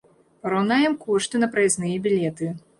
Параўнаем кошты на праязныя білеты.